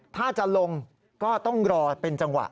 ถ้าจะลงก็ต้องรอเป็นจังหวะ